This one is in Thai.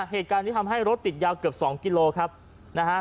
เหตุการณ์ที่ทำให้รถติดยาวเกือบ๒กิโลกรัมครับ